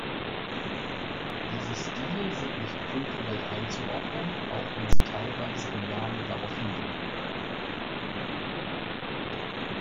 Diese Stile sind nicht kulturell einzuordnen, auch wenn sie teilweise im Namen darauf hindeuten.